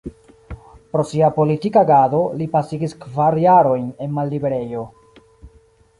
Pro sia politika agado, li pasigis kvar jarojn en malliberejo.